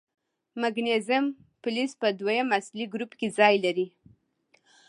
د مګنیزیم فلز په دویم اصلي ګروپ کې ځای لري.